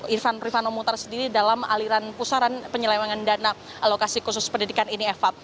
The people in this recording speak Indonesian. irfan rifano muhtar sendiri dalam aliran pusaran penyelewangan dana alokasi khusus pendidikan ini eva